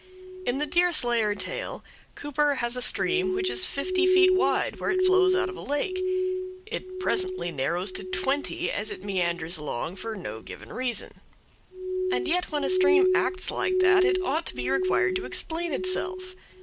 In the Deerslayer tale Cooper has a stream which is fifty feet wide where it flows out of a lake; it presently narrows to twenty as it meanders along for no given reason; and yet when a stream acts like that it ought to be required to explain itself.